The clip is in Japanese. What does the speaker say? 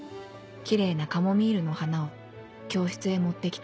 きれいなカモミールの花を教室へ持ってきた